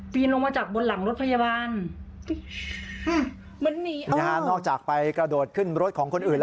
ลงมาจากบนหลังรถพยาบาลนอกจากไปกระโดดขึ้นรถของคนอื่นแล้ว